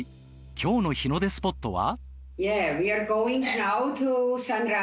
今日の日の出スポットは？